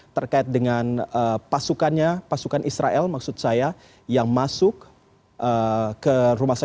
terkait dengan pasukannya pasukan israel maksud saya yang masuk ke rumah sakit al shifa untuk mencari dan untuk menemukan kelompok hamas yang ada di sana